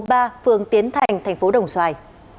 phường tiến thành thành phố đồng xoài